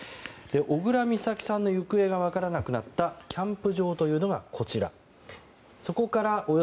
小倉美咲さんの行方が分からなくなったキャンプ場というのがこちら。